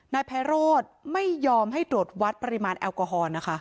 นายไพโรธไม่ยอมให้ตรวจวัดปริมาณแอลกอฮอล์นะคะ